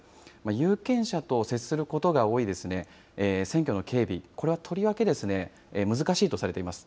有権者と接することが多い選挙の警備、これはとりわけ難しいとされています。